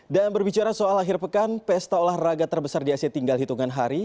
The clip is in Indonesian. dan berbicara soal akhir pekan pesta olahraga terbesar di asia tinggal hitungan hari